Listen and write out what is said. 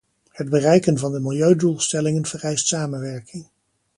Het bereiken van de milieudoelstellingen vereist samenwerking.